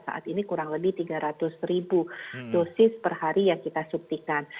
saat ini kurang lebih tiga ratus ribu dosis per hari yang kita subtikan